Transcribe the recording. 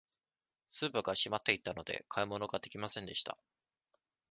スーパーが閉まっていたので、買い物ができませんでした。